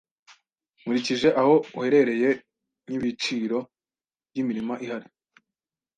nkurikije aho uherereye n’ibiciro by’imirima ihari